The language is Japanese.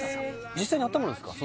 実際にあったまるんですか？